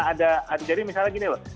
ada adik jadi misalnya gini loh